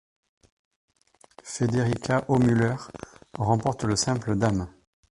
Federica Haumüller remporte le simple dames.